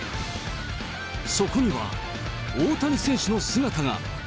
そこには、大谷選手の姿が。